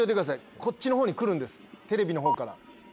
こっちのほうに来るんですテレビのほうから。